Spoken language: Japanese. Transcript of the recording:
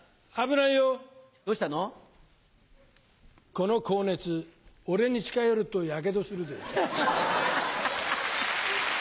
この高熱俺に近寄るとやけどするぜ。